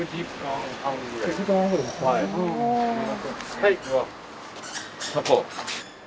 はい。